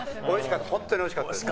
本当においしかったです。